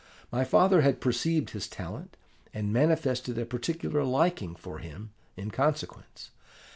My father had perceived his talent, and manifested a particular liking for him in consequence.